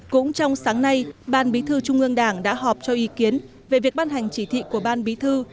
cũng trong sáng nay ban bí thư trung ương đảng đã họp cho ý kiến về việc ban hành chỉ thị của ban bí thư